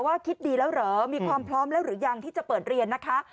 คิดดีแล้วเหรอมีความพร้อมแล้วหรือยังที่จะเปิดเรียนนะคะ